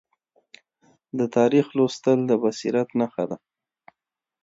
د تاریخ لوستل د بصیرت نښه ده.